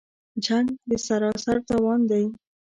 جـنګ سراسر تاوان دی